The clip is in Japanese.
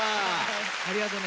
ありがとね